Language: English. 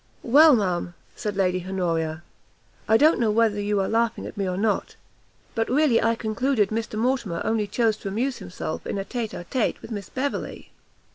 "Well, ma'am," said Lady Honoria, "I don't know whether you are laughing at me or not, but really I concluded Mr Mortimer only chose to amuse himself in a tête à tête with Miss Beverley."